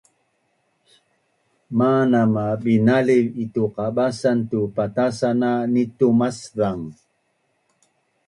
manam ma binaliv itu qabasan tu patasan na ni tu maczang